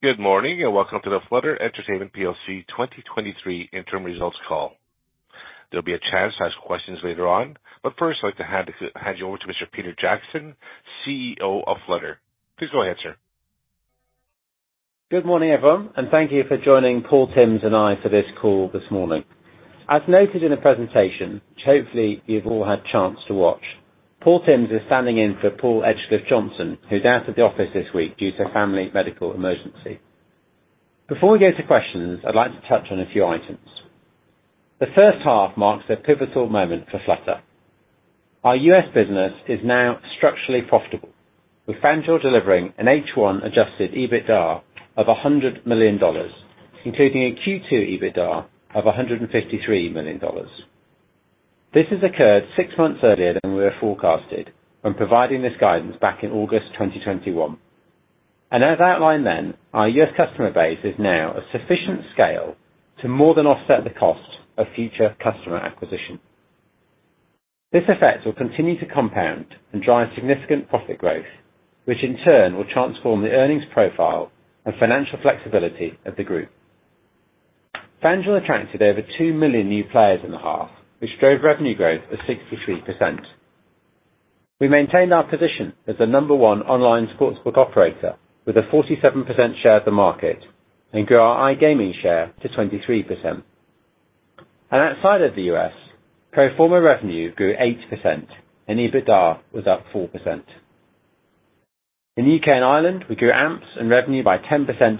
Good morning, and Welcome to The Flutter Entertainment PLC 2023 Interim Results Call. There'll be a chance to ask questions later on, but first, I'd like to hand you over to Mr Peter Jackson, CEO of Flutter. Please go ahead, sir. Good morning, everyone, and thank you for joining Paul Tymms and I for this call this morning. As noted in the presentation, which hopefully you've all had a chance to watch, Paul Tymms is standing in for Paul Edgecliffe-Johnson, who's out of the office this week due to a family medical emergency. Before we go to questions, I'd like to touch on a few items. The first half marks a pivotal moment for Flutter. Our U.S. business is now structurally profitable, with FanDuel delivering an H1 adjusted EBITDA of $100 million, including a Q2 EBITDA of $153 million. This has occurred six months earlier than we had forecasted when providing this guidance back in August 2021. As outlined then, our U.S. customer base is now a sufficient scale to more than offset the cost of future customer acquisition. This effect will continue to compound and drive significant profit growth, which in turn will transform the earnings profile and financial flexibility of the group. FanDuel attracted over 2 million new players in the half, which drove revenue growth of 63%. We maintained our position as the number one online sportsbook operator with a 47% share of the market and grew our iGaming share to 23%. Outside of the U.S., pro forma revenue grew 8%, and EBITDA was up 4%. In U.K. and Ireland, we grew AMPs and revenue by 10%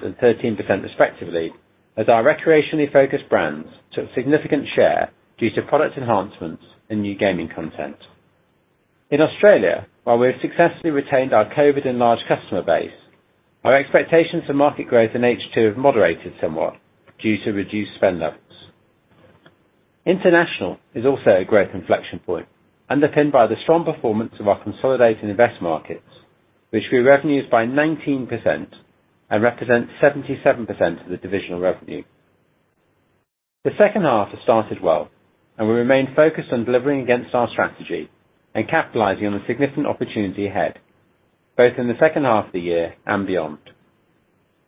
and 13% respectively, as our recreationally focused brands took significant share due to product enhancements and new gaming content. In Australia, while we have successfully retained our COVID-enlarged customer base, our expectations for market growth in H2 have moderated somewhat due to reduced spend levels. International is also a growth inflection point, underpinned by the strong performance of our consolidating invest markets, which grew revenues by 19% and represent 77% of the divisional revenue. The second half has started well, and we remain focused on delivering against our strategy and capitalizing on the significant opportunity ahead, both in the second half of the year and beyond.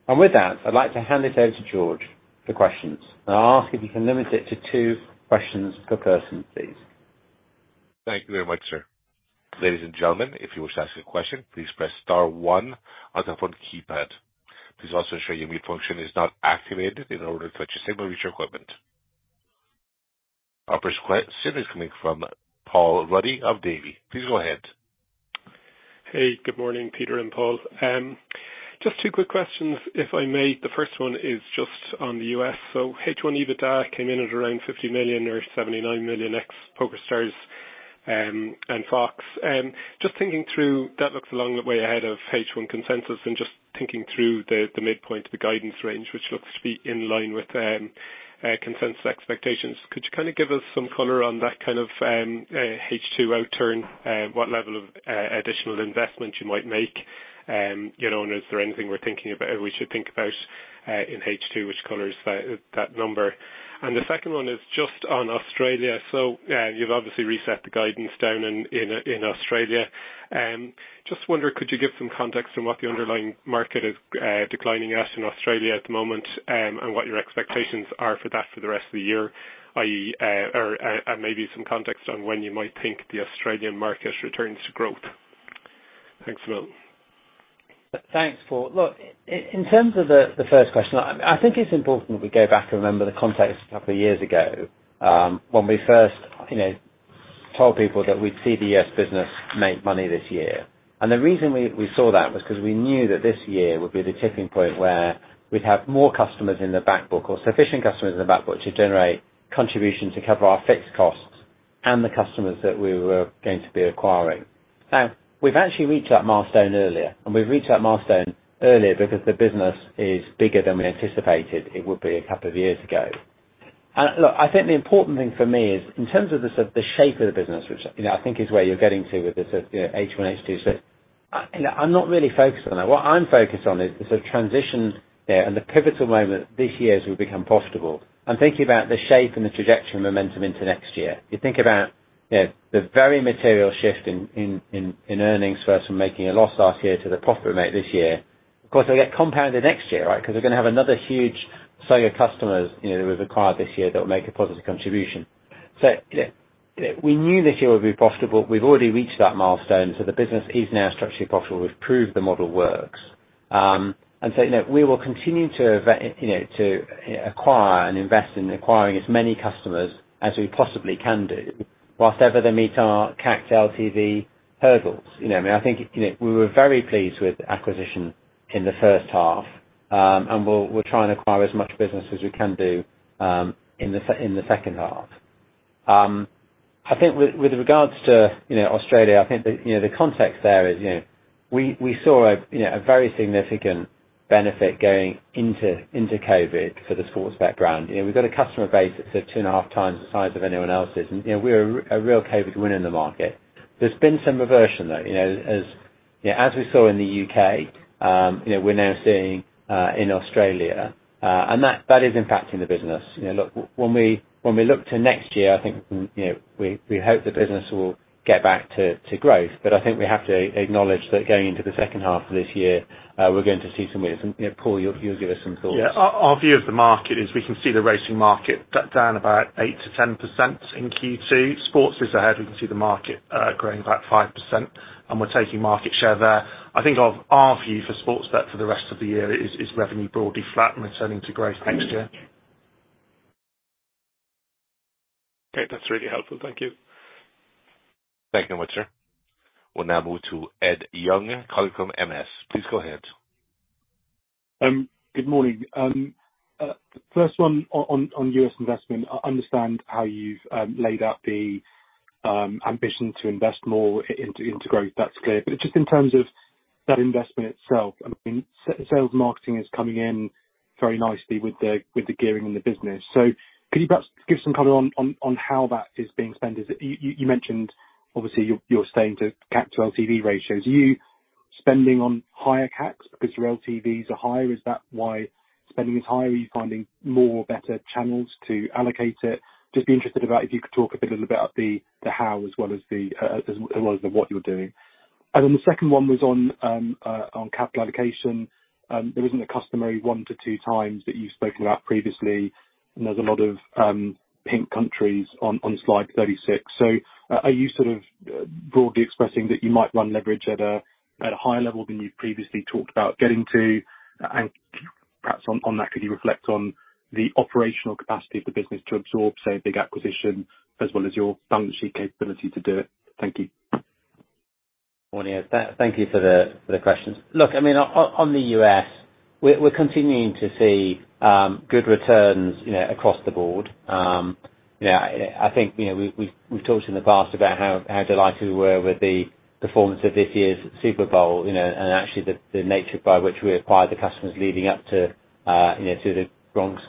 With that, I'd like to hand it over to George for questions. I'll ask if you can limit it to two questions per person, please. Thank you very much, sir. Ladies and gentlemen, if you wish to ask a question, please press star one on the phone keypad. Please also ensure your mute function is not activated in order to prevent you signal with your equipment. Our first que- is coming from Paul Ruddy of Davy. Please go ahead. Hey, good morning, Peter and Paul. Just two quick questions, if I may. The first one is just on the U.S.. H1 EBITDA came in at around 50 million or 79 million ex PokerStars and FOX. Just thinking through, that looks a long way ahead of H1 consensus and just thinking through the midpoint of the guidance range, which looks to be in line with consensus expectations. Could you kind of give us some color on that kind of H2 outturn, what level of additional investment you might make? You know, is there anything we should think about in H2 which colors that, that number? The second one is just on Australia. You've obviously reset the guidance down in Australia. Just wondering, could you give some context on what the underlying market is declining at in Australia at the moment, and what your expectations are for that for the rest of the year, i.e., or, and maybe some context on when you might think the Australian market returns to growth? Thanks a lot. Thanks, Paul. Look, in terms of the first question, I think it's important that we go back and remember the context a couple of years ago, when we first, you know, told people that we'd see the U.S. business make money this year. The reason we saw that was because we knew that this year would be the tipping point where we'd have more customers in the back book, or sufficient customers in the back book, to generate contribution to cover our fixed costs and the customers that we were going to be acquiring. Now, we've actually reached that milestone earlier, and we've reached that milestone earlier because the business is bigger than we anticipated it would be a couple of years ago. Look, I think the important thing for me is in terms of the sort of the shape of the business, which, you know, I think is where you're getting to with this, you know, H1, H2. I, you know, I'm not really focused on that. What I'm focused on is the sort of transition there and the pivotal moment this year as we become profitable and thinking about the shape and the trajectory and momentum into next year. You think about, you know, the very material shift in, in, in, in earnings for us from making a loss last year to the profit we make this year. Of course, they'll get compounded next year, right? Because we're going to have another huge slew of customers, you know, that we've acquired this year that will make a positive contribution. You know, we knew this year would be profitable. We've already reached that milestone, so the business is now structurally profitable. We've proved the model works. You know, we will continue to you know, to acquire and invest in acquiring as many customers as we possibly can do, whilst ever they meet our CAC LTV hurdles. You know, I mean, I think, you know, we were very pleased with acquisition in the first half, we'll, we'll try and acquire as much business as we can do, in the second half. I think with, with regards to, you know, Australia, I think the, you know, the context there is, you know, we, we saw a, you know, a very significant benefit going into, into COVID for the sports background. You know, we've got a customer base that's 2.5x the size of anyone else's, and, you know, we're a, a real COVID winner in the market. There's been some reversion, though, you know, as we saw in the U.K., you know, we're now seeing in Australia, and that, that is impacting the business. You know, look, when we, when we look to next year, I think, you know, we, we hope the business will get back to, to growth. I think we have to acknowledge that going into the second half of this year, we're going to see some wins. Paul, you'll, you'll give us some thoughts. Yeah. Our, our view of the market is we can see the racing market down about 8%-10% in Q2. Sports is ahead, we can see the market growing about 5%, and we're taking market share there. I think of our view for Sportsbet for the rest of the year is revenue broadly flat and returning to growth next year. Okay, that's really helpful. Thank you. Thank you very much, sir. We'll now move to Ed Young, calling from MS. Please go ahead. Good morning. The first one on U.S. investment. I understand how you've laid out the ambition to invest more into growth. That's clear. Just in terms of that investment itself, I mean, sales marketing is coming in very nicely with the gearing in the business. Could you perhaps give some color on how that is being spent? As you mentioned, obviously, you're staying to CAP to LTV ratios. Are you spending on higher caps because your LTVs are higher? Is that why spending is higher? Are you finding more or better channels to allocate it? Just be interested about if you could talk a little bit about the how as well as the what you're doing. The second one was on capital allocation. There isn't a customary 1-2x that you've spoken about previously, and there's a lot of, pink countries on slide 36. Are you sort of broadly expressing that you might run leverage at a higher level than you've previously talked about getting to? Perhaps on that, could you reflect on the operational capacity of the business to absorb, say, a big acquisition as well as your balance sheet capability to do it? Thank you. Morning, Ed. thank you for the, for the questions. Look, I mean, on, on, on the U.S., we're, we're continuing to see good returns, you know, across the board. you know, I think, you know, we've, we've, we've talked in the past about how, how delighted we were with the performance of this year's Super Bowl, you know, and actually, the, the nature by which we acquired the customers leading up to, you know, to the Gronk's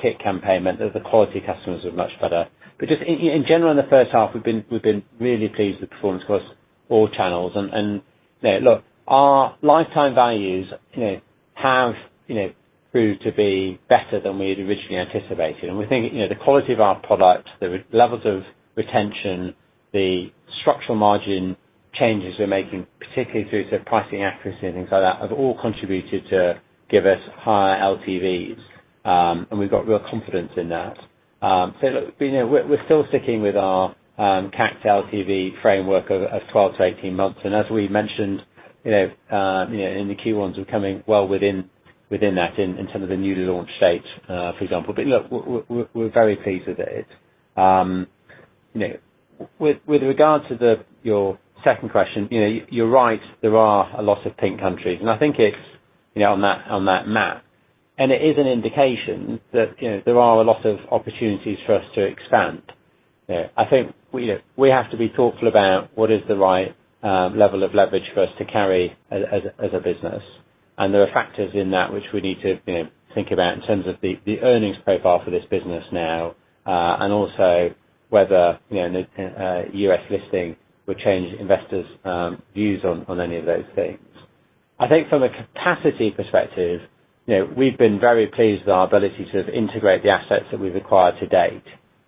kick campaign, meant that the quality customers are much better. But just in, in general, in the first half, we've been, we've been really pleased with performance across all channels. And, and, you know, look, our lifetime values, you know, have, you know, proved to be better than we had originally anticipated. We think, you know, the quality of our products, the levels of retention, the structural margin changes we're making, particularly through to pricing accuracy and things like that, have all contributed to give us higher LTVs. We've got real confidence in that. Look, you know, we're still sticking with our CAC LTV framework of 12-18 months. As we mentioned, you know, in the Q1s, we're coming well within that in terms of the newly launched states, for example. Look, we're very pleased with it. You know, with regard to your second question, you know, you're right, there are a lot of pink countries, and I think it's, you know, on that map. It is an indication that, you know, there are a lot of opportunities for us to expand. I think we, you know, we have to be thoughtful about what is the right level of leverage for us to carry as, as, as a business. There are factors in that which we need to, you know, think about in terms of the, the earnings profile for this business now, and also whether, you know, U.S. listing would change investors views on, on any of those things. I think from a capacity perspective, you know, we've been very pleased with our ability to integrate the assets that we've acquired to date.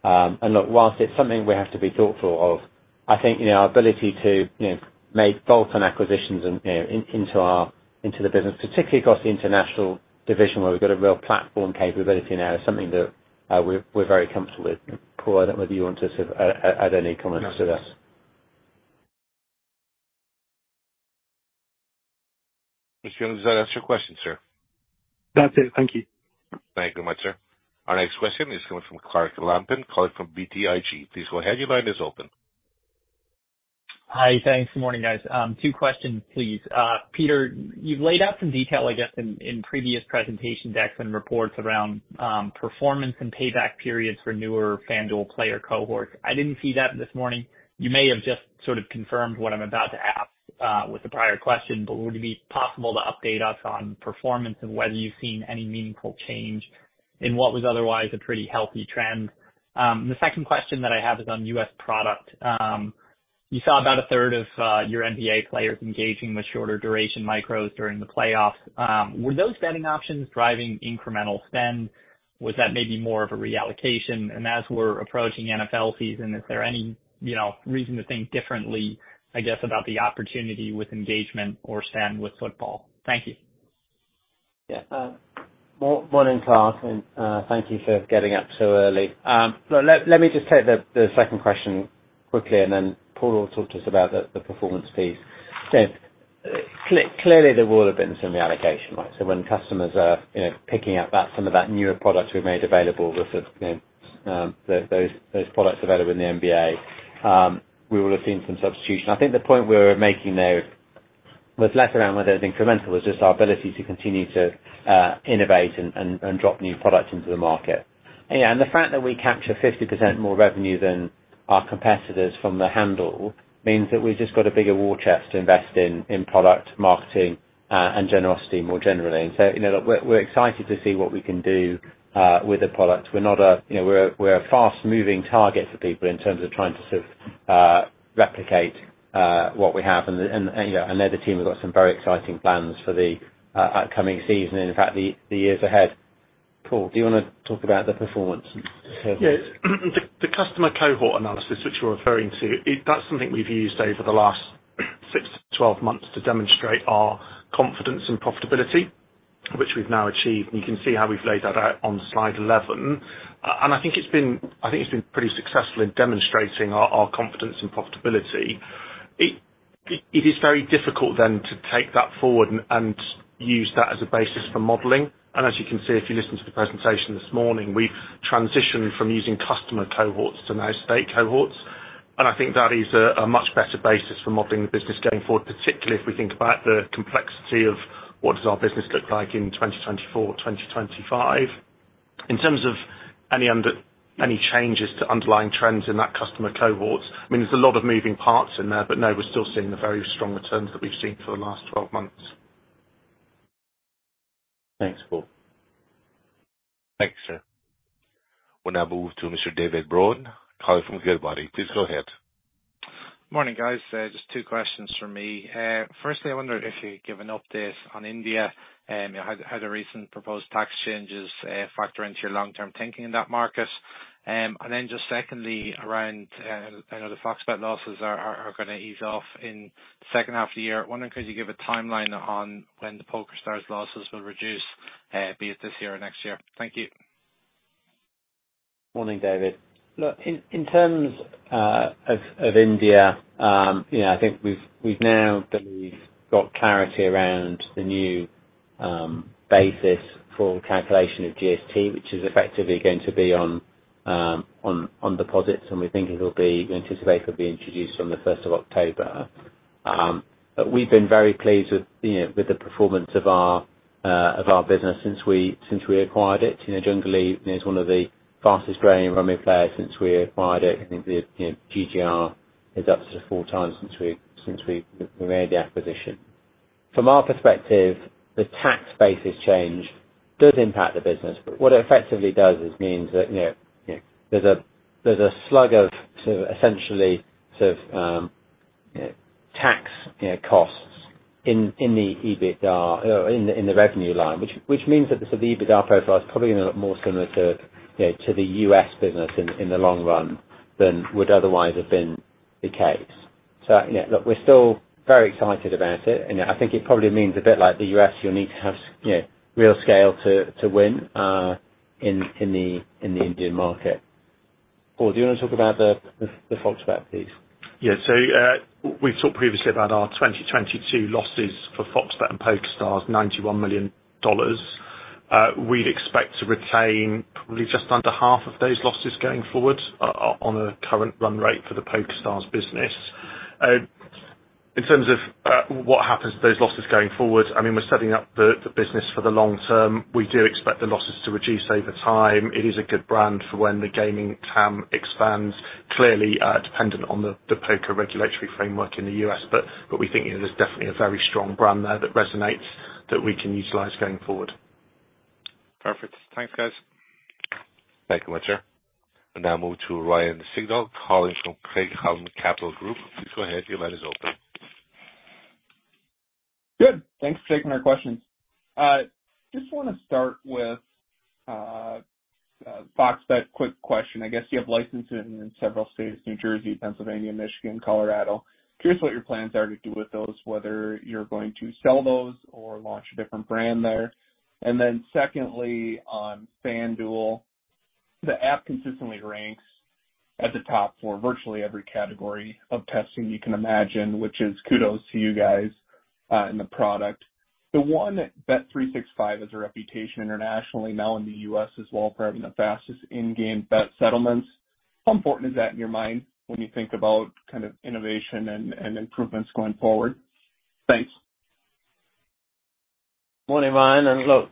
Look, whilst it's something we have to be thoughtful of, I think, you know, our ability to, you know, make bolt-on acquisitions and, you know, in, into our, into the business, particularly across the international division, where we've got a real platform capability now, is something that we're, we're very comfortable with. Paul, I don't know whether you want to sort of add any comments to this. Mr. Young, does that answer your question, sir? That's it. Thank you. Thank you very much, sir. Our next question is coming from Clark Lampen, calling from BTIG. Please go ahead, your line is open. Hi, thanks. Good morning, guys. two questions, please. Peter, you've laid out some detail, I guess, in, in previous presentation decks and reports around performance and payback periods for newer FanDuel player cohorts. I didn't see that this morning. You may have just sort of confirmed what I'm about to ask, with the prior question, but would it be possible to update us on performance and whether you've seen any meaningful change in what was otherwise a pretty healthy trend? The second question that I have is on U.S. product. You saw about 1/3 of your NBA players engaging with shorter duration micros during the playoffs. Were those betting options driving incremental spend? Was that maybe more of a reallocation? As we're approaching NFL season, is there any, you know, reason to think differently, I guess, about the opportunity with engagement or spend with football? Thank you. Yeah. Morning, Clark, and thank you for getting up so early. Let, let me just take the, the second question quickly, and then Paul will talk to us about the, the performance piece. Clearly, there will have been some reallocation, right? When customers are, you know, picking up that, some of that newer product we made available with the, you know, those, those products available in the NBA, we will have seen some substitution. I think the point we were making there was less around whether it's incremental, it's just our ability to continue to innovate and drop new products into the market.... Yeah, the fact that we capture 50% more revenue than our competitors from the handle, means that we've just got a bigger war chest to invest in, in product marketing, and generosity more generally. You know, look, we're, we're excited to see what we can do, with the product. We're not a, you know, we're a, we're a fast-moving target for people in terms of trying to sort of, replicate, what we have. You know, I know the team has got some very exciting plans for the upcoming season, and in fact, the years ahead. Paul, do you wanna talk about the performance? Yes. The, the customer cohort analysis, which you're referring to, that's something we've used over the last six to twelve months to demonstrate our confidence and profitability, which we've now achieved. You can see how we've laid that out on slide 11. I think it's been, I think it's been pretty successful in demonstrating our, our confidence and profitability. It, it, it is very difficult then to take that forward and, and use that as a basis for modeling. As you can see, if you listened to the presentation this morning, we've transitioned from using customer cohorts to now state cohorts, and I think that is a, a much better basis for modeling the business going forward, particularly if we think about the complexity of what does our business look like in 2024, 2025. In terms of any changes to underlying trends in that customer cohorts, I mean, there's a lot of moving parts in there, but no, we're still seeing the very strong returns that we've seen for the last 12 months. Thanks, Paul. Thanks, sir. We'll now move to Mr. David Brohan, calling from Goodbody. Please go ahead. Morning, guys. Just two questions from me. Firstly, I wonder if you'd give an update on India, how the recent proposed tax changes factor into your long-term thinking in that market? Then just secondly, around, I know the Fox Bet losses are gonna ease off in the second half of the year. I wonder could you give a timeline on when the PokerStars losses will reduce, be it this year or next year? Thank you. Morning, David. Look, in terms of India, you know, I think we've now believe got clarity around the new basis for calculation of GST, which is effectively going to be on deposits, and we anticipate it'll be introduced on the 1st of October. But we've been very pleased with, you know, with the performance of our business since we acquired it. You know, Junglee is one of the fastest growing rummy players since we acquired it. I think the, you know, GGR is up to 4x since we made the acquisition. From our perspective, the tax basis change does impact the business, but what it effectively does, is means that, you know, you know, there's a, there's a slug of sort of essentially, sort of, you know, tax, you know, costs in, in the EBITDA, in the, in the revenue line. Which means that the sort of EBITDA profile is probably gonna look more similar to, you know, to the U.S. business in, in the long run, than would otherwise have been the case. You know, look, we're still very excited about it, and I think it probably means a bit like the U.S., you'll need to have, you know, real scale to, to win, in, in the, in the Indian market. Paul, do you want to talk about the, the, the Fox Bet, please? Yeah. We've talked previously about our 2022 losses for FOX Bet and PokerStars, $91 million. We'd expect to retain probably just under half of those losses going forward, on a current run rate for the PokerStars business. In terms of what happens to those losses going forward, I mean, we're setting up the business for the long term. We do expect the losses to reduce over time. It is a good brand for when the gaming TAM expands, clearly, dependent on the poker regulatory framework in the U.S., but, but we think there's definitely a very strong brand there that resonates, that we can utilize going forward. Perfect. Thanks, guys. Thank you much, sir. We now move to Ryan Sigdahl, calling from Craig-Hallum Capital Group. Please go ahead, your line is open. Good! Thanks for taking our questions. just want to start with, a FOX Bet quick question. I guess you have licenses in several states, New Jersey, Pennsylvania, Michigan, Colorado. Curious what your plans are to do with those, whether you're going to sell those or launch a different brand there? Secondly, on FanDuel, the app consistently ranks at the top for virtually every category of testing you can imagine, which is kudos to you guys, in the product. The one bet365 has a reputation internationally, now in the US as well, for having the fastest in-game bet settlements. How important is that in your mind when you think about kind of innovation and, and improvements going forward? Thanks. Morning, Ryan. Look,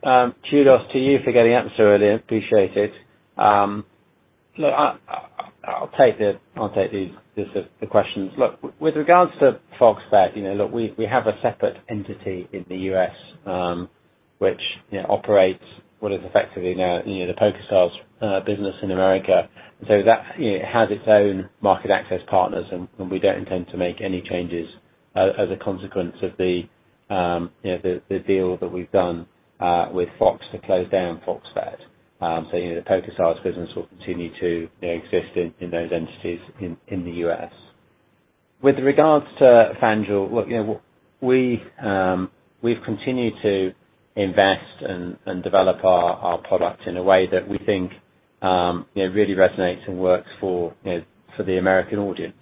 kudos to you for getting up so early. Appreciate it. Look, I'll take the questions. Look, with regards to Fox Bet, you know, look, we have a separate entity in the U.S., which, you know, operates what is effectively now, you know, the PokerStars business in the U.S. That, you know, has its own market access partners, and we don't intend to make any changes as a consequence of the, you know, the deal that we've done with FOX to close down Fox Bet. You know, the PokerStars business will continue to, you know, exist in those entities in the U.S. With regards to FanDuel, look, you know, we've continued to invest and, and develop our, our product in a way that we think, you know, really resonates and works for, you know, for the American audience.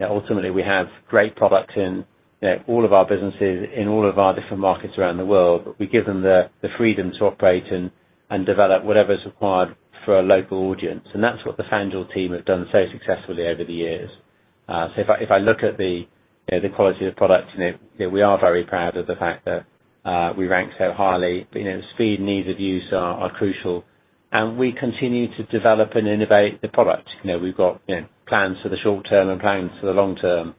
You know, ultimately, we have great products in, you know, all of our businesses, in all of our different markets around the world. We give them the, the freedom to operate and, and develop whatever is required for a local audience. That's what the FanDuel team have done so successfully over the years. If I, if I look at the, you know, the quality of the product, you know, we are very proud of the fact that we rank so highly. Speed and ease of use are, are crucial, and we continue to develop and innovate the product. You know, we've got, you know, plans for the short term and plans for the long term.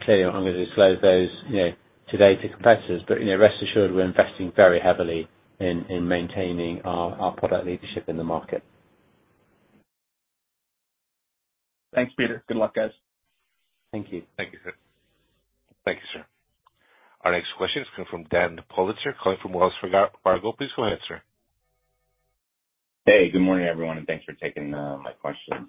Clearly, I'm not going to disclose those, you know, today to competitors, but, you know, rest assured we're investing very heavily in, in maintaining our, our product leadership in the market. Thanks, Peter. Good luck, guys. Thank you. Thank you, sir. Thank you, sir. Our next question is coming from Dan Politzer, calling from Wells Fargo. Please go ahead, sir. Hey, good morning, everyone, thanks for taking my questions.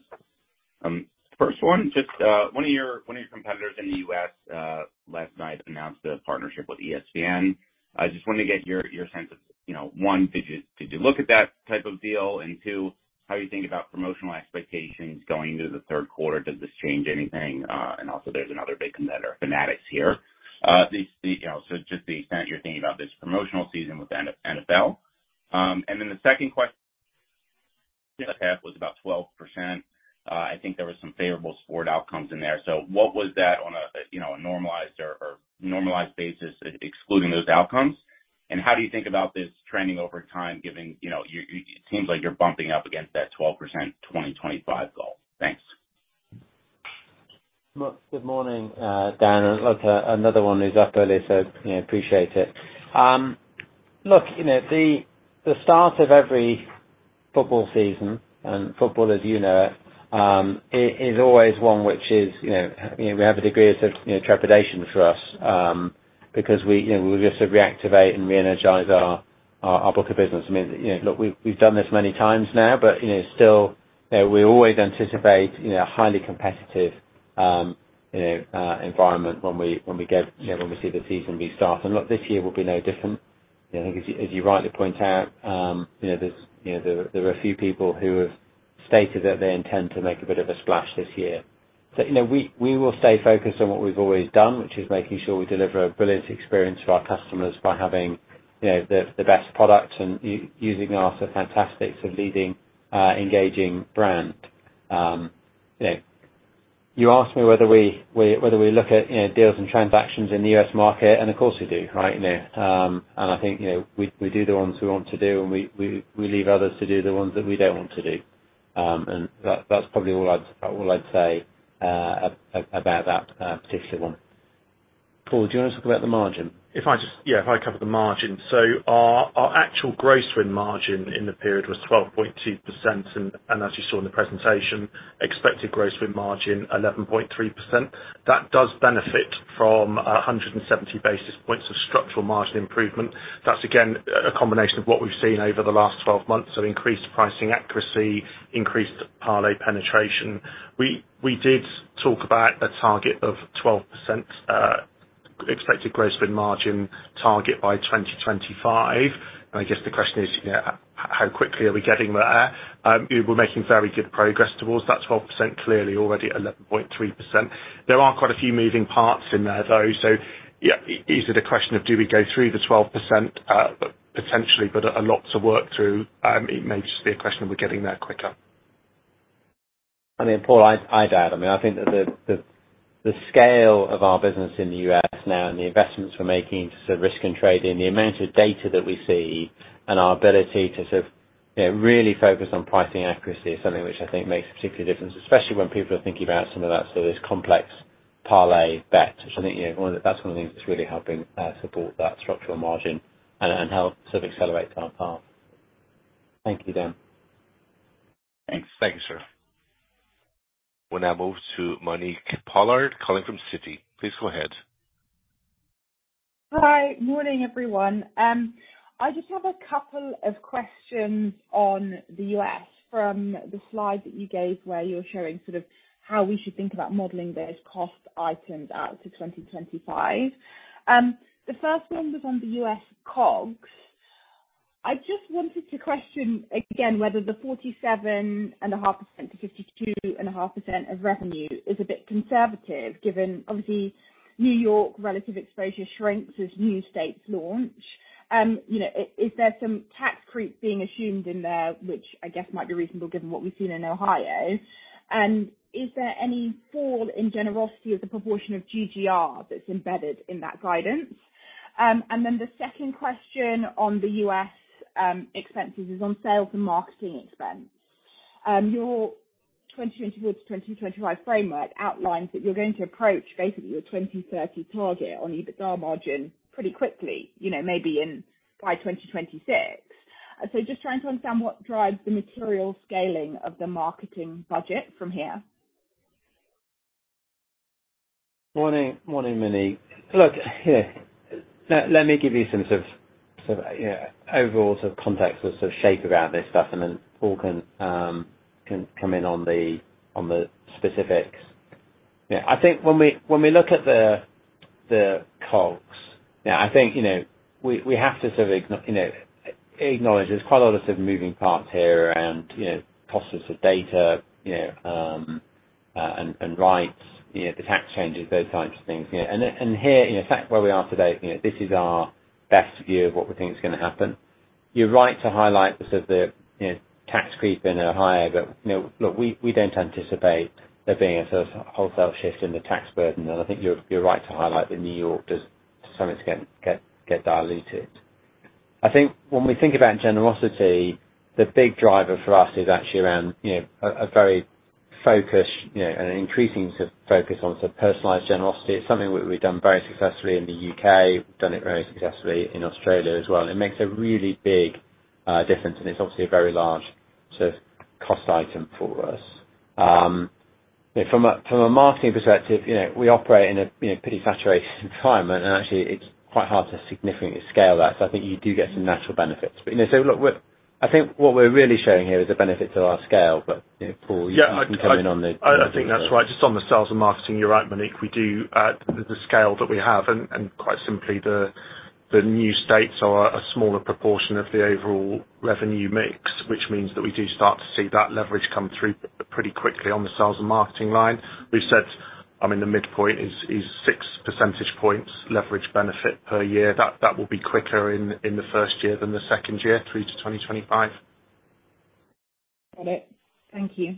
First one, just one of your, one of your competitors in the U.S. last night announced a partnership with ESPN. I just wanted to get your, your sense of, you know, one, did you, did you look at that type of deal? Two, how you think about promotional expectations going into the third quarter, does this change anything? Also there's another big competitor, Fanatics, here. You know, just the extent you're thinking about this promotional season with the NFL. The second question was about 12%. I think there were some favorable sport outcomes in there. What was that on a, you know, a normalized or normalized basis, excluding those outcomes? How do you think about this trending over time, given, you know, it seems like you're bumping up against that 12% 2025 goal. Thanks. Well, good morning, Dan. Another one who's up early, so, you know, appreciate it. Look, you know, the, the start of every football season, and football, as you know, is, is always one which is, you know, we have a degree of sort of trepidation for us, because we, you know, we've got to reactivate and reenergize our, our, our book of business. I mean, you know, look, we've, we've done this many times now, but, you know, still, you know, we always anticipate, you know, a highly competitive, you know, environment when we, when we get, you know, when we see the season restart. Look, this year will be no different. You know, I think as you, as you rightly point out, there's there are a few people who have stated that they intend to make a bit of a splash this year. You know, we, we will stay focused on what we've always done, which is making sure we deliver a brilliant experience to our customers by having, you know, the best product and using our fantastic sort of leading engaging brand. You know, you asked me whether we look at, you know, deals and transactions in the U.S. market, and of course we do, right? You know, I think, you know, we, we do the ones we want to do, and we, we, we leave others to do the ones that we don't want to do. That, that's probably all I'd, all I'd say about that particular one. Paul, do you want to talk about the margin? If I cover the margin. Our actual gross win margin in the period was 12.2%, and as you saw in the presentation, expected gross win margin 11.3%. That does benefit from 170 basis points of structural margin improvement. That's again, a combination of what we've seen over the last 12 months of increased pricing accuracy, increased parlay penetration. We did talk about a target of 12% expected gross win margin target by 2025. I guess the question is, you know, how quickly are we getting there? We're making very good progress towards that 12%, clearly already at 11.3%. There are quite a few moving parts in there, though. Yeah, is it a question of do we go through the 12%? Potentially, but a lot to work through. It may just be a question of we're getting there quicker. I mean, Paul, I, I'd add, I mean, I think that the scale of our business in the U.S. now and the investments we're making to risk and trading, the amount of data that we see and our ability to sort of, you know, really focus on pricing accuracy is something which I think makes a particular difference, especially when people are thinking about some of that sort of complex parlay bets. That's one of the things that's really helping support that structural margin and help sort of accelerate our path. Thank you, Dan. Thanks. Thank you, sir. We now move to Monique Pollard, calling from Citi. Please go ahead. Hi. Morning, everyone. I just have a couple of questions on the U.S. from the slide that you gave, where you're showing sort of how we should think about modeling those cost items out to 2025. The first one was on the U.S. COGS. I just wanted to question again whether the 47.5%-52.5% of revenue is a bit conservative, given obviously New York relative exposure shrinks as new states launch. You know, is there some tax creep being assumed in there, which I guess might be reasonable given what we've seen in Ohio? Is there any fall in generosity as a proportion of GGR that's embedded in that guidance? The second question on the U.S. expenses, is on sales and marketing expense. Your 2024-2025 framework outlines that you're going to approach basically your 2030 target on EBITDA margin pretty quickly, you know, maybe in by 2026. Just trying to understand what drives the material scaling of the marketing budget from here? Morning, morning, Monique. Look, here, let, let me give you some sort of, sort of, overall sort of context or sort of shape around this stuff, and then Paul can come in on the, on the specifics. Yeah, I think when we, when we look at the, the COGS, yeah, I think, you know, we, we have to sort of acknowledge, you know, acknowledge there's quite a lot of sort of moving parts here around, you know, costs of data, you know, and rights, you know, the tax changes, those types of things. Here, you know, in fact, where we are today, you know, this is our best view of what we think is going to happen. You're right to highlight the sort of, you know, tax creep in are higher. You know, look, we, we don't anticipate there being a sort of wholesale shift in the tax burden, and I think you're, you're right to highlight that New York does, to some extent, get, get diluted. I think when we think about generosity, the big driver for us is actually around, you know, a, a very focused, you know, and an increasing sort of focus on sort of personalized generosity. It's something we've done very successfully in the U.K., we've done it very successfully in Australia as well. It makes a really big difference, and it's obviously a very large sort of cost item for us. From a, from a marketing perspective, you know, we operate in a, you know, pretty saturated environment, and actually it's quite hard to significantly scale that. I think you do get some natural benefits. you know, so look, I think what we're really showing here is the benefits of our scale. you know, Paul, you can come in on the... Yeah, I, I, I think that's right. Just on the sales and marketing, you're right, Monique. We do the scale that we have and, and quite simply, the, the new states are a smaller proportion of the overall revenue mix, which means that we do start to see that leverage come through pretty quickly on the sales and marketing line. We've said, I mean, the midpoint is, is six % points leverage benefit per year. That, that will be quicker in, in the first year than the second year, through to 2025. Got it. Thank you.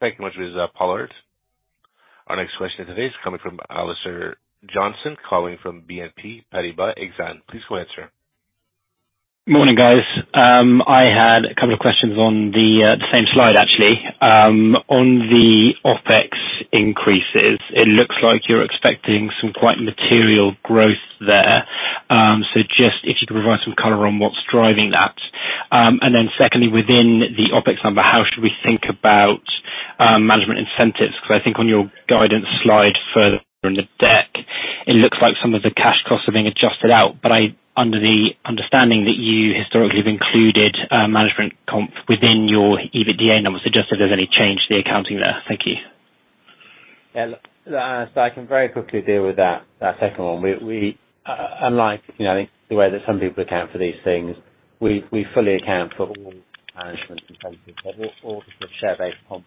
Thank you much, Ms. Pollard. Our next question today is coming from Alistair Johnson, calling from BNP Paribas Exane. Please go ahead, sir. Morning, guys. I had a couple of questions on the same slide, actually. On the OpEx increases, it looks like you're expecting some quite material growth there. Just if you could provide some color on what's driving that? Then secondly, within the OpEx number, how should we think about management incentives? Because I think on your guidance slide further in the deck, it looks like some of the cash costs are being adjusted out, but under the understanding that you historically have included management comp within your EBITDA numbers, so just if there's any change to the accounting there. Thank you. Yeah, look, I can very quickly deal with that, that second one. We, we, unlike, you know, I think the way that some people account for these things, we, we fully account for all management incentives and all, all the share-based comp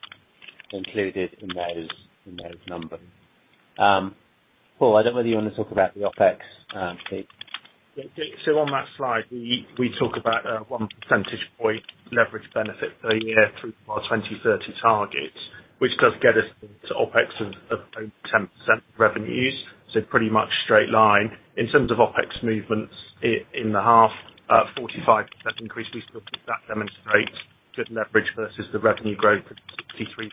included in those, in those numbers. Paul, I don't know whether you want to talk about the OpEx, please. On that slide, we, we talk about one % point leverage benefit per year through our 2030 targets, which does get us to OpEx of 10% revenues, so pretty much straight-line. In terms of OpEx movements in the half, 45% increase, we still think that demonstrates good leverage vs the revenue growth of 63%.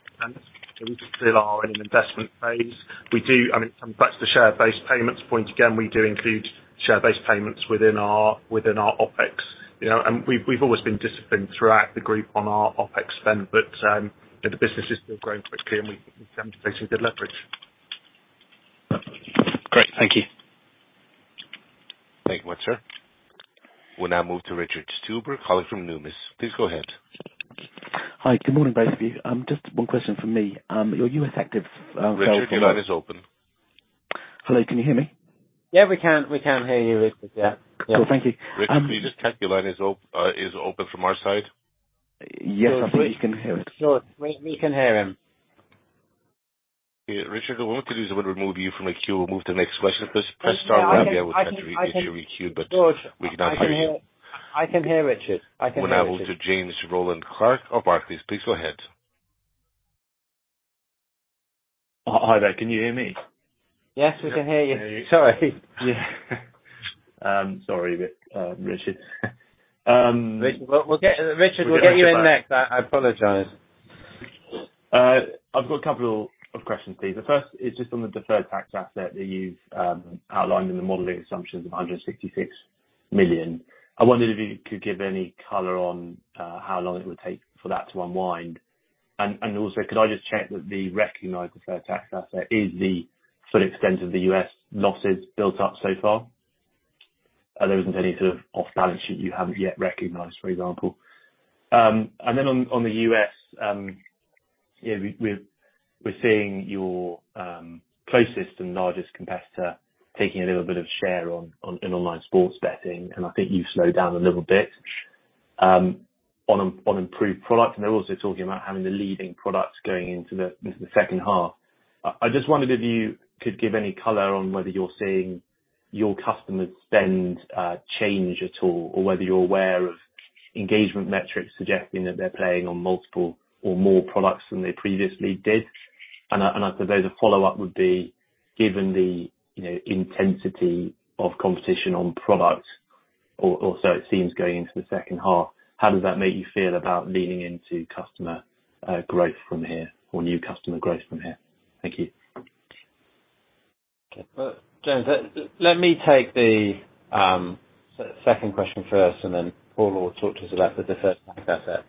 We still are in an investment phase. We do, I mean, back to the share-based payments point, again, we do include share-based payments within our, within our OpEx, you know. We've always been disciplined throughout the group on our OpEx spend, but the business is still growing quickly and we seem to be seeing good leverage. Great. Thank you. Thank you much, sir. We'll now move to Richard Stuber, calling from Numis. Please go ahead. Hi. Good morning, both of you. Just one question from me. Your U.S. active. Richard, your line is open. Hello, can you hear me? Yeah, we can, we can hear you, Richard. Yeah. Cool. Thank you. Richard, can you just check your line is open from our side? Yes, I think he can hear us. George, we, we can hear him. Yeah, Richard, what I'm going to do is I'm going to remove you from the queue and move the next question. Please press star again. I will try to get you requeued. George, I can hear you. We cannot hear you. I can hear Richard. I can hear Richard. We'll now move to James Rowland Clark of Barclays. Please go ahead. Hi there. Can you hear me? Yes, we can hear you. Can hear you. Sorry. Yeah. Sorry, R- Richard. Richard, we'll get you in next. I apologize. I've got a couple of questions, please. The first is just on the deferred tax asset that you've outlined in the modeling assumptions of $166 million. I wondered if you could give any color on how long it would take for that to unwind. Also, could I just check that the recognized deferred tax asset is the full extent of the U.S. losses built up so far? There isn't any sort of off balance sheet you haven't yet recognized, for example. Then on, on the U.S., yeah, we've, we're, we're seeing your closest and largest competitor taking a little bit of share on, on, in online sports betting, and I think you've slowed down a little bit on, on improved product. They're also talking about having the leading products going into the, the second half. I, I just wondered if you could give any color on whether you're seeing your customers spend, change at all, or whether you're aware of engagement metrics suggesting that they're playing on multiple or more products than they previously did? I, and I suppose a follow-up would be, given the, you know, intensity of competition on products, or, or so it seems, going into the second half, how does that make you feel about leaning into customer, growth from here or new customer growth from here? Thank you. Okay. Well, James, let me take the second question first, then Paul will talk to us about the deferred tax asset.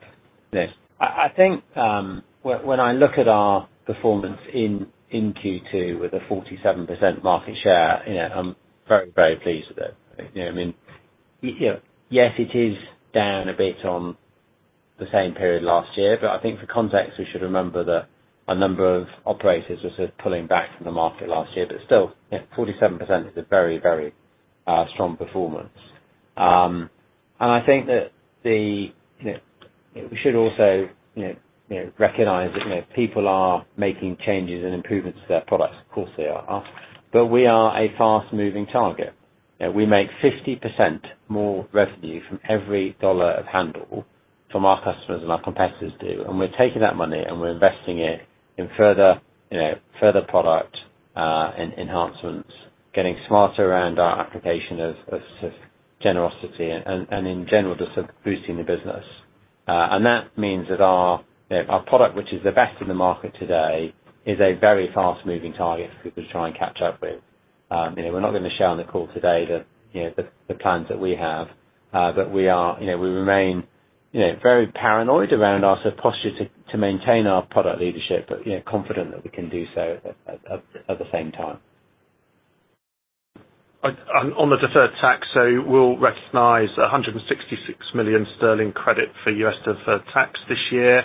Yes. I think, when I look at our performance in Q2 with a 47% market share, you know, I'm very, very pleased with it. You know, I mean, you know, yes, it is down a bit on the same period last year, I think for context, we should remember that a number of operators were sort of pulling back from the market last year. Still, you know, 47% is a very, very strong performance. I think that the, you know. We should also, you know, you know, recognize that, you know, people are making changes and improvements to their products. Of course they are. We are a fast-moving target, and we make 50% more revenue from every $1 of handle from our customers than our competitors do, and we're taking that money, and we're investing it in further, you know, further product and enhancements, getting smarter around our application of, of generosity and, and in general, just sort of boosting the business. That means that our, you know, our product, which is the best in the market today, is a very fast-moving target for people to try and catch up with. You know, we're not gonna share on the call today the, you know, the, the plans that we have, but we are, you know, we remain, you know, very paranoid around our sort of posture to, to maintain our product leadership, but, you know, confident that we can do so at, at, at the same time. On the deferred tax, we'll recognize a 166 million sterling credit for U.S. deferred tax this year.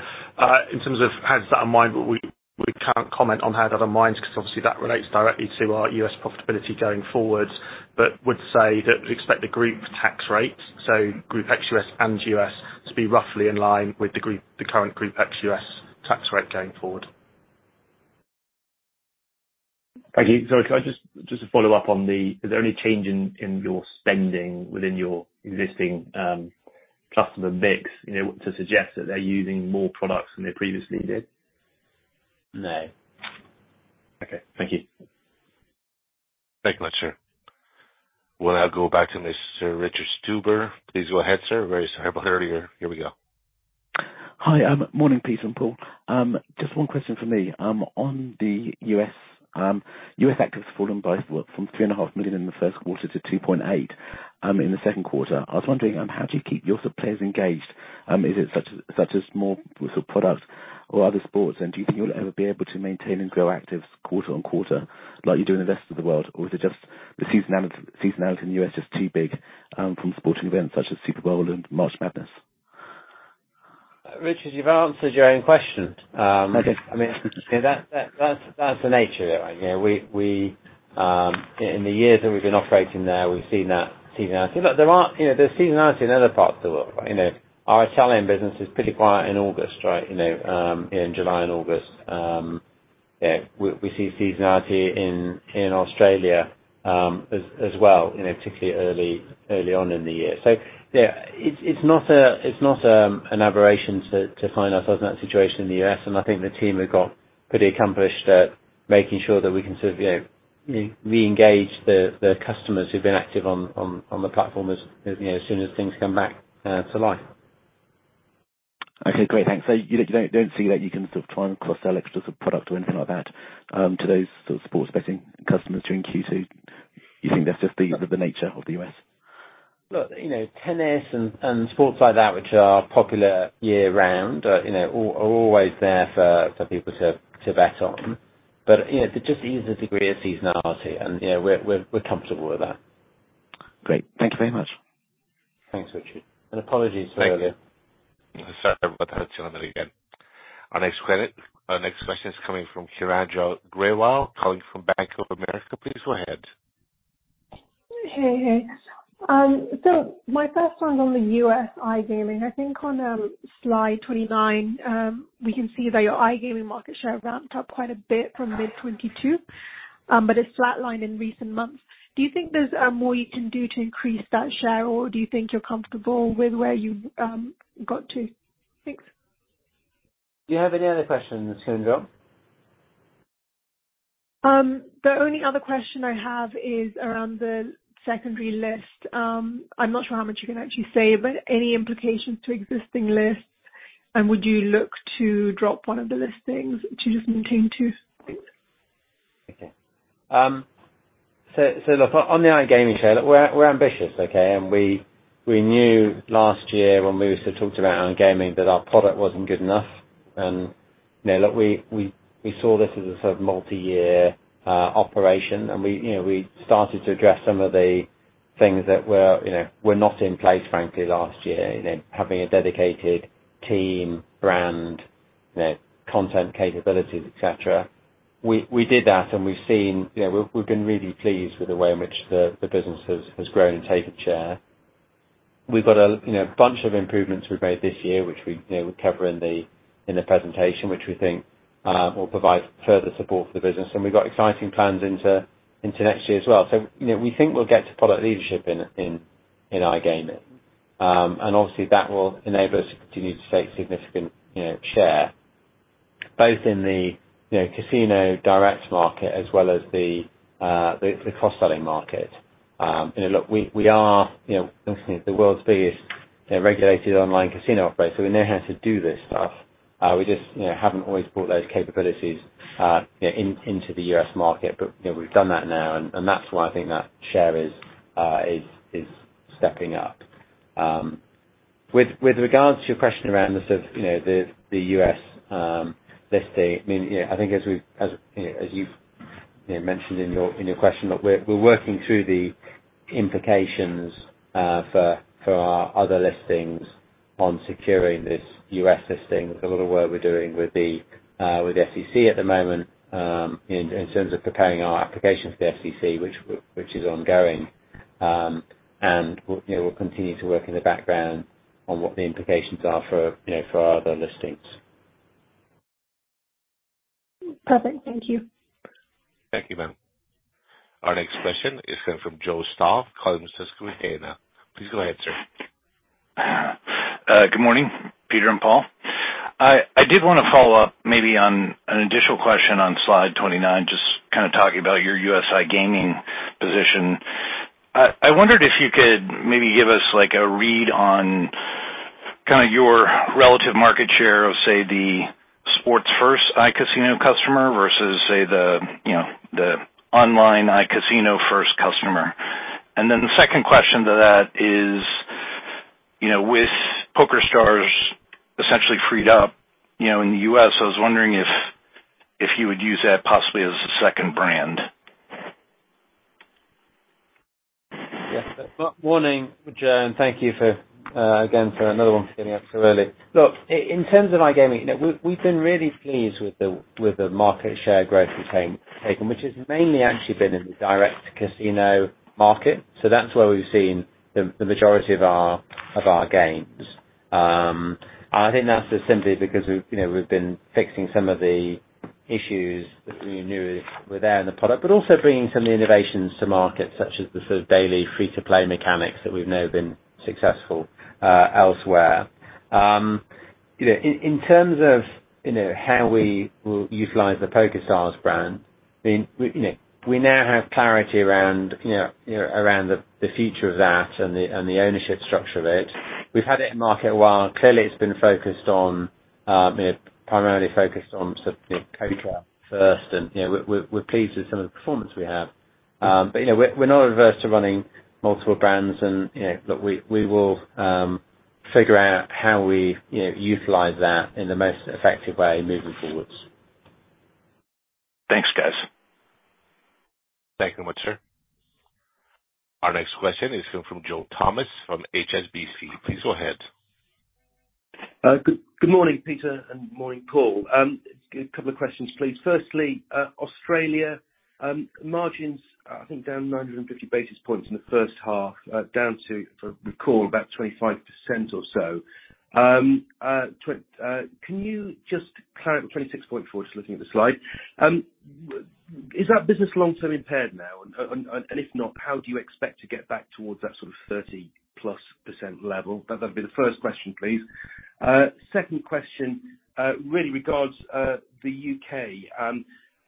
In terms of how does that unwind, we can't comment on how that unwinds, because obviously, that relates directly to our U.S. profitability going forward. We would say that we expect the group tax rate, so group ex-U.S. and U.S., to be roughly in line with the group the current group ex-U.S. tax rate going forward. Thank you. Sorry, can I just, just to follow up on the, is there any change in your spending within your existing customer mix, you know, to suggest that they're using more products than they previously did? No. Okay, thank you. Thank you much, sir. We'll now go back to Mr. Richard Stuber. Please go ahead, sir. Very sorry about earlier. Here we go. Hi, morning, Peter and Paul. Just one question from me. On the U.S., U.S. actives fallen both from $3.5 million in the first quarter to $2.8 million in the second quarter. I was wondering, how do you keep your players engaged? Is it such as more sort of product or other sports? Do you think you'll ever be able to maintain and grow actives quarter-on-quarter, like you do in the rest of the world? Is it just the seasonality in the U.S. is just too big from sporting events such as Super Bowl and March Madness? Richard, you've answered your own question. Okay. I mean, that, that, that's, that's the nature of it, right? You know, we, we, in the years that we've been operating there, we've seen that seasonality. Look, there are, you know, there's seasonality in other parts of the world, right? You know, our Italian business is pretty quiet in August, right? You know, in July and August. Yeah, we, we see seasonality in, in Australia, as, as well, you know, particularly early, early on in the year. So, yeah, it's, it's not a, it's not, an aberration to, to find ourselves in that situation in the U.S., and I think the team have got pretty accomplished at making sure that we can sort of, you know, re-engage the, the customers who've been active on, on, on the platform as, you know, as soon as things come back, to life. Okay, great. Thanks. You don't, don't see that you can sort of try and cross-sell extra product or anything like that, to those sort of sports betting customers during Q2? You think that's just the, the nature of the U.S.? Look, you know, tennis and, and sports like that, which are popular year-round, you know, are, are always there for, for people to, to bet on. You know, there's just is a degree of seasonality, and, you know, we're, we're, we're comfortable with that. Great. Thank you very much. Thanks, Richard. Apologies for earlier. Thank you. Sorry about that again. Our next question is coming from Kiranjot Grewal, calling from Bank of America. Please go ahead. Hey. My first one on the U.S. iGaming. I think on slide 29, we can see that your iGaming market share ramped up quite a bit from mid 2022, but it's flatlined in recent months. Do you think there's more you can do to increase that share, or do you think you're comfortable with where you've got to? Thanks. Do you have any other questions, Kiranjot? The only other question I have is around the secondary list. I'm not sure how much you can actually say, but any implications to existing lists, and would you look to drop one of the listings to just maintain two? Okay. So look, on the iGaming share, look, we're ambitious, okay? We, we knew last year when we sort of talked about iGaming, that our product wasn't good enough. You know, look, we, we, we saw this as a sort of multiyear operation, and we, you know, we started to address some of the things that were, you know, were not in place, frankly, last year. You know, having a dedicated team, brand, you know, content, capabilities, et cetera. We, we did that, and we've seen... You know, we've, we've been really pleased with the way in which the, the business has, has grown and taken share. We've got a, you know, bunch of improvements we've made this year, which we, you know, we cover in the, in the presentation, which we think will provide further support for the business. We've got exciting plans into, into next year as well. You know, we think we'll get to product leadership in, in, in iGaming. Obviously, that will enable us to continue to take significant, you know, share, both in the, you know, casino direct market as well as the cross-selling market. You know, look, we, we are, you know, the world's biggest, you know, regulated online casino operator, so we know how to do this stuff. We just, you know, haven't always brought those capabilities, you know, in, into the US market, but, you know, we've done that now, and, and that's why I think that share is, is stepping up. With, with regards to your question around the sort of, you know, the, the U.S. listing, I mean, you know, I think as we've, as, you know, as you've, you know, mentioned in your, in your question, look, we're, we're working through the implications for, for our other listings on securing this US listing. There's a lot of work we're doing with the, with the SEC at the moment, in, in terms of preparing our application for the SEC, which, which is ongoing. And we, you know, we'll continue to work in the background on what the implications are for, you know, for our other listings. Perfect. Thank you. Thank you, ma'am. Our next question is coming from Joe Stauff, Goldman Sachs with Dana. Please go ahead, sir. Good morning, Peter and Paul. I, I did wanna follow up maybe on an additional question on slide 29, just kind of talking about your U.S. iGaming position. I, I wondered if you could maybe give us, like, a read on kind of your relative market share of, say, the sports first iCasino customer vs, say, the, you know, the online iCasino first customer? Then the second question to that is, you know, with PokerStars essentially freed up, you know, in the U.S., I was wondering if, if you would use that possibly as a second brand? Yes. Good morning, Joe, and thank you for again, for another one for getting up so early. Look, in terms of iGaming, you know, we've been really pleased with the market share growth we've taken, which has mainly actually been in the direct casino market. That's where we've seen the majority of our gains. I think that's just simply because you know, we've been fixing some of the issues that we knew were there in the product, but also bringing some new innovations to market, such as the sort of daily free-to-play mechanics that we've know have been successful elsewhere. You know, in, in terms of, you know, how we will utilize the PokerStars brand, I mean, we, you know, we now have clarity around, you know, you know, around the, the future of that and the, and the ownership structure of it. We've had it in market a while. Clearly, it's been focused on, you know, primarily focused on sort of poker first and, you know, we're, we're pleased with some of the performance we have. You know, we're, we're not averse to running multiple brands and, you know. Look, we, we will figure out how we, you know, utilize that in the most effective way moving forwards. Thanks, guys. Thank you very much, sir. Our next question is coming from Joe Thomas, from HSBC. Please go ahead. Good, good morning, Peter, and morning, Paul. A couple of questions, please. Firstly, Australia, margins, I think, down 950 basis points in the H1, down to, from recall, about 25% or so. Can you just clarify... 26.4, just looking at the slide. Is that business long-term impaired now? If not, how do you expect to get back towards that sort of 30+% level? That'd be the first question, please. Second question, really regards the U.K..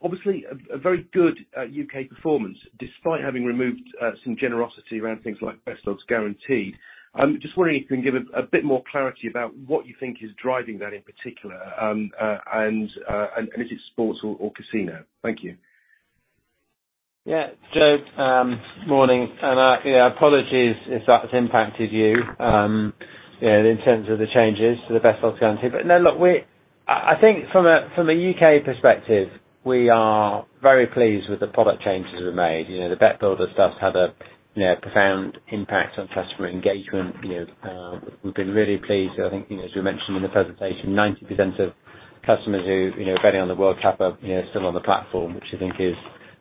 Obviously a very good U.K. performance, despite having removed some generosity around things like Best Odds Guaranteed. Just wondering if you can give us a bit more clarity about what you think is driving that in particular, if it's sports or casino. Thank you. Yeah, Joe, morning. Yeah, apologies if that's impacted you, you know, in terms of the changes to the Best Odds Guaranteed. No, look, I think from a U.K. perspective, we are very pleased with the product changes we've made. You know, the Bet Builder stuff had a, you know, profound impact on customer engagement. You know, we've been really pleased. I think, you know, as we mentioned in the presentation, 90% of customers who, you know, betting on the World Cup are, you know, still on the platform, which I think is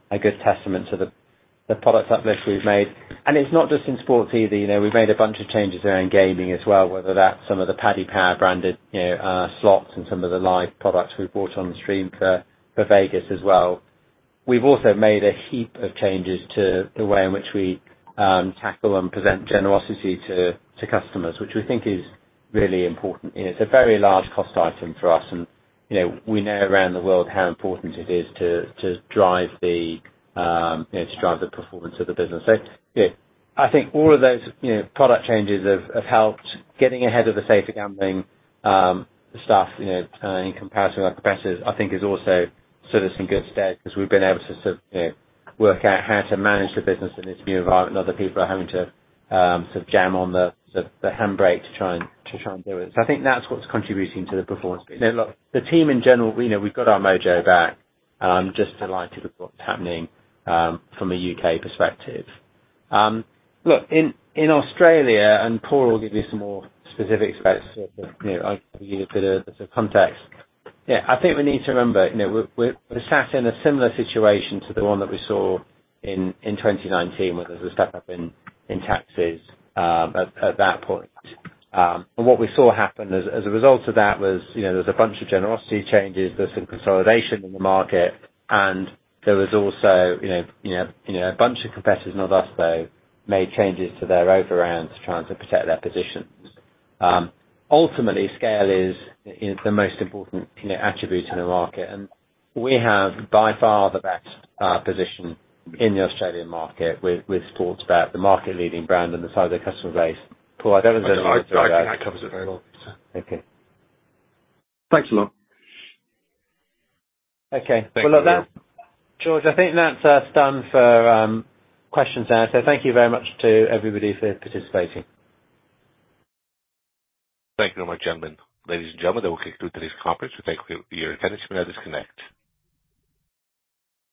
a good testament to the products at least we've made. It's not just in sports either, you know, we've made a bunch of changes around gaming as well, whether that's some of the Paddy Power branded, you know, slots and some of the live products we've brought on stream for, for Vegas as well. We've also made a heap of changes to the way in which we tackle and present generosity to customers, which we think is really important. It's a very large cost item for us and, you know, we know around the world how important it is to drive the, you know, to drive the performance of the business. Yeah, I think all of those, you know, product changes have, have helped. Getting ahead of the safer gambling stuff, you know, in comparison with our competitors, I think is also sort of in good stead, because we've been able to sort of, you know, work out how to manage the business in this new environment. Other people are having to sort of jam on the, the, the handbrake to try and, to try and do it. I think that's what's contributing to the performance. You know, look, the team in general, you know, we've got our mojo back, just delighted with what's happening from a U.K. perspective. Look, in, in Australia, Paul will give you some more specific aspects of, you know, I'll give you a bit of context. Yeah, I think we need to remember, you know, we're, we're sat in a similar situation to the one that we saw in, in 2019, where there was a step up in, in taxes, at, at that point. What we saw happen as, as a result of that was, you know, there's a bunch of generosity changes, there's some consolidation in the market, and there was also, you know, you know, you know, a bunch of competitors, not us, though, made changes to their overrounds, trying to protect their positions. Ultimately, scale is, is the most important, you know, attribute in the market, and we have by far the best position in the Australian market with, with Sportsbet, the market leading brand and the size of the customer base. Paul, I don't know... I think that covers it very well, so. Okay. Thanks a lot. Okay. Thank you. Well, look, George, I think that's us done for questions now. Thank you very much to everybody for participating. Thank you very much, gentlemen. Ladies and gentlemen, that will conclude today's conference. We thank you for your attendance. You may now disconnect.